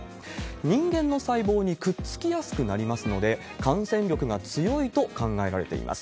人間の細胞にくっつきやすくなりますので、感染力が強いと考えられています。